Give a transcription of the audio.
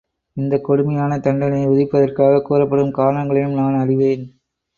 இந்தக் கொடுமையான தண்டனையை விதிப்பதற்காகக் கூறப்படும் காரணங்களையும் நான் அறிவேன்.